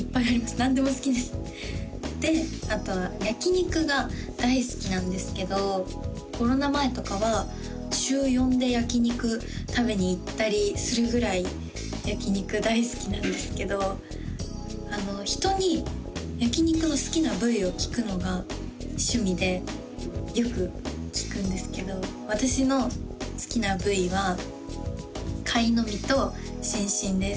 何でも好きですであとは焼き肉が大好きなんですけどコロナ前とかは週４で焼き肉食べに行ったりするぐらい焼き肉大好きなんですけど人に焼き肉の好きな部位を聞くのが趣味でよく聞くんですけど私の好きな部位はカイノミとシンシンです